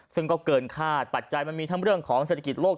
ซึ่งก็เกินคาดปัจจัยมันมีทั้งเรื่องของเศรษฐกิจโลก